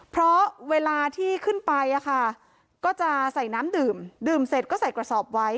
เพราะเวลาที่ขึ้นไปก็จะใส่น้ำดื่มดื่มเสร็จก็ใส่กระสอบไว้